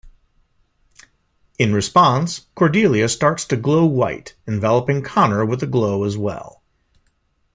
In response, Cordelia starts to glow white, enveloping Connor with the glow as well.